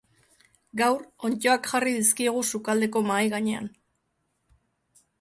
Gaur, onddoak jarri dizkiegu sukaldeko mahai gainean.